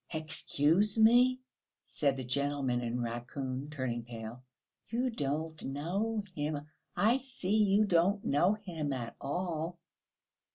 "Excuse me," said the gentleman in raccoon, turning pale, "you don't know him; I see that you don't know him at all."